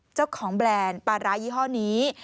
เจ้าของแบรนด์ปลาร้ายิทธิฐภัณฑ์นี้